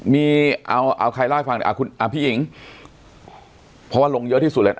มีเอาเอาใครล่ายฟังอ่าพี่อิ๋งเพราะว่าลงเยอะที่สุดเลย